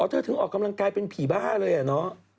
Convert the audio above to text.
เธอถึงออกกำลังกายเป็นผีบ้าเลยอะเนาะ